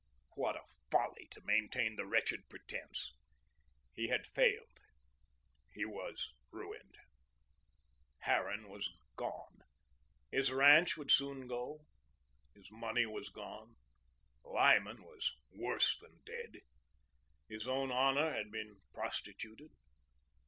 What a folly to maintain the wretched pretence! He had failed. He was ruined. Harran was gone. His ranch would soon go; his money was gone. Lyman was worse than dead. His own honour had been prostituted.